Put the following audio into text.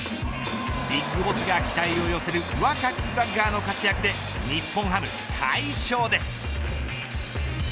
ＢＩＧＢＯＳＳが期待を寄せる若きスラッガーの活躍で日本ハム快勝です。